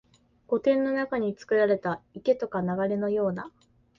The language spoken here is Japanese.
御殿の中につくられた池とか流れのような、